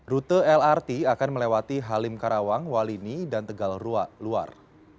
rute lrt akan melewati halim karawang walini dan tegalrua luar